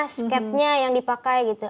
sketnya yang dipakai gitu